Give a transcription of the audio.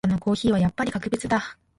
朝のコーヒーはやっぱり格別だ。